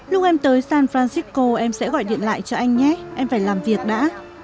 lúc em tới san francisco em sẽ gọi điện lại cho anh nhé em phải làm việc đã